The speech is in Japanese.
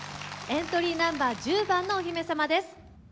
エントリーナンバー１０番のお姫様です。